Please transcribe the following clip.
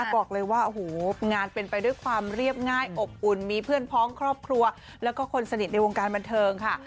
บอกเลยว่าโอ้โหงานเป็นไปด้วยความเรียบง่ายอบอุ่นมีเพื่อนพ้องครอบครัวแล้วก็คนสนิทในวงการบันเทิงค่ะ